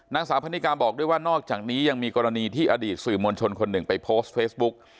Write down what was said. นางสาวพันนิกาบอกด้วยว่านอกจากนี้ยังมีกรณีที่อดีตสื่อมวลชนคนหนึ่งไปโพสต์เฟซบุ๊ก